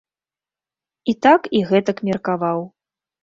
І так і гэтак меркаваў.